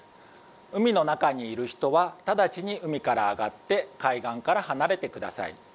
海の中にいる人は直ちに海から上がって海岸から離れてください。